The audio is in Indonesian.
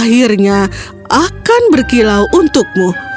akhirnya akan berkilau untukmu